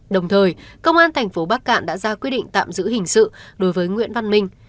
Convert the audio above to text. đồng thời công an thành phố bắc cạn đã ra quyết định tạm giữ hình sự đối với nguyễn văn minh